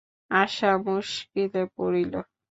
আশা মুশকিলে পড়িল।